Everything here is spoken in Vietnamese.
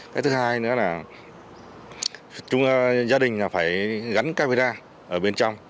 cái thứ hai nữa là gia đình phải gắn camera ở bên trong